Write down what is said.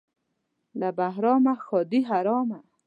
له بهرامه ښادي حرامه.